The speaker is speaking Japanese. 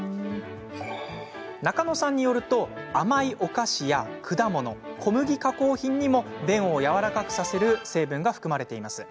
中野さんによると甘いお菓子や果物小麦加工品にも便を軟らかくさせる成分が含まれています。